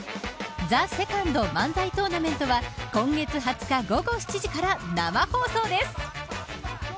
ＴＨＥＳＥＣＯＮＤ漫才トーナメントは今月２０日午後７時から生放送です。